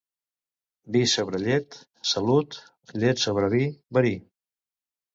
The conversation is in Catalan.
Vi sobre llet, salut; llet sobre vi, verí.